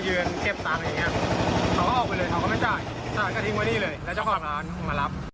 ย้อนไปอีกนิดหนึ่ง